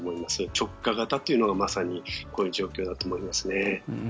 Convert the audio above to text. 直下型というのがまさにこういう状況だと思いますね。